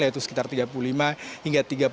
yaitu sekitar tiga puluh lima hingga tiga puluh